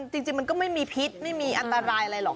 จริงมันก็ไม่มีพิษไม่มีอันตรายอะไรหรอก